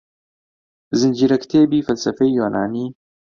زنجیرەکتێبی فەلسەفەی یۆنانی